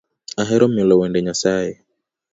Ahero mielo wende Nyasae